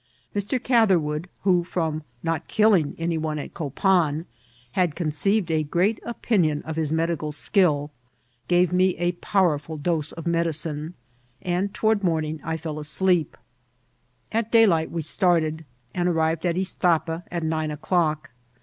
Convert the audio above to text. Bfr. Gather wood, who, from not kiUiagany one at Copan, had con eei^ed a great qpinion of hk medical skill, gare me a powerful dose of medicine, and toward uKMrning I fell At daylight we started, and arrired at Istiqpa at nine o'clock.